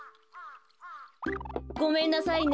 ごめんなさいね。